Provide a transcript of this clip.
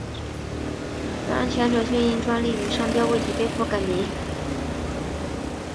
然前者却因专利与商标问题被迫更名。